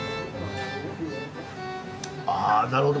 あなるほど。